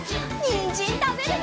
にんじんたべるよ！